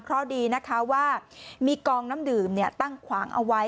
เพราะดีนะคะว่ามีกองน้ำดื่มตั้งขวางเอาไว้